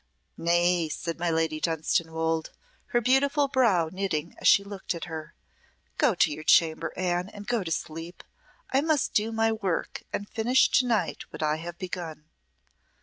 "Nay," said my Lady Dunstanwolde, her beautiful brow knitting as she looked at her. "Go to your chamber, Anne, and to sleep. I must do my work, and finish to night what I have begun."